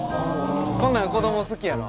こんなん子供好きやろ？